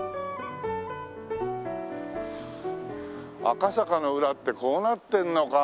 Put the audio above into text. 赤坂の裏ってこうなってんのか。